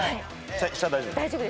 下大丈夫？